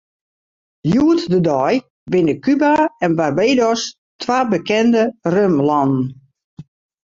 Hjoed-de-dei binne Kuba en Barbados twa bekende rumlannen.